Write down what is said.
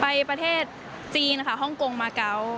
ประเทศจีนค่ะฮ่องกงมาเกาะ